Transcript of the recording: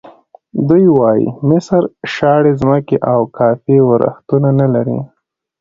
دوی وایي مصر شاړې ځمکې او کافي ورښتونه نه لري.